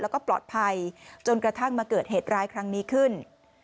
แล้วก็ปลอดภัยจนกระทั่งมาเกิดเหตุร้ายครั้งนี้ขึ้น